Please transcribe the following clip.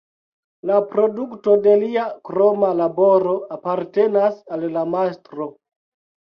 La produkto de lia kroma laboro apartenas al la mastro.